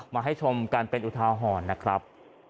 มาให้ชมกันเป็นอุทาหรณ์นะครับ